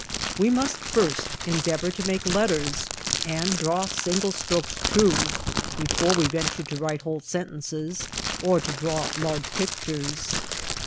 We must first endevour to make letters, and draw single strokes true, before we venture to write whole Sentences, or to draw large Pictures.